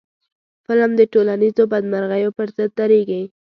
فلم د ټولنیزو بدمرغیو پر ضد درېږي